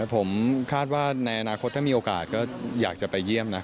ผมคาดว่าในอนาคตถ้ามีโอกาสก็อยากจะไปเยี่ยมนะ